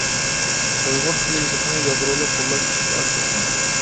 ئۇيغۇر تىل-يېزىقىنى يادرولۇق قوللاش ئىشقا ئاشۇرۇلغان.